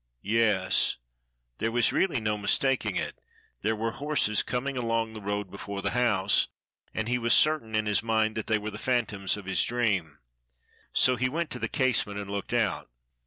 Yes, there was really no mistaking it, there were horses coming along the road before the house, and he was certain in his mind that they were the phantoms of his dream. So he went to the casement and looked out.